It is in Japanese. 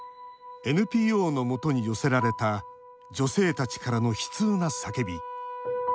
ＮＰＯのもとに寄せられた女性たちからの悲痛な叫び。